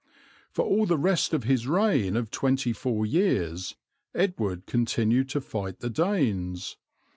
For all the rest of his reign of twenty four years Edward continued to fight the Danes.